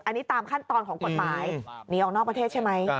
อันนี้ตามขั้นตอนของกฎหมายหนีออกนอกประเทศใช่ไหม